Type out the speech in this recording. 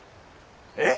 えっ？